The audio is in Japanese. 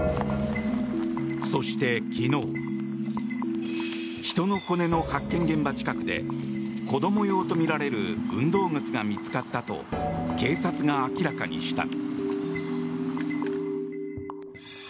そして、昨日人の骨の発見現場近くで子ども用とみられる運動靴が見つかったと警察が明らかにした。